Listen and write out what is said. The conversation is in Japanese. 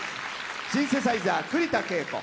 シンセサイザー、栗田敬子。